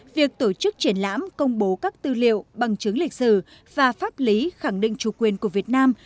việc tổ chức triển lãm công bố các tư liệu bằng chứng lịch sử và pháp lý khẳng định chủ quyền của việt nam